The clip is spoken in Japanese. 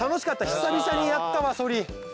久々にやったわそり。